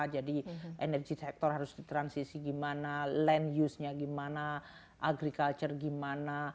jadi energy sector harus ditransisi gimana land use nya gimana agriculture gimana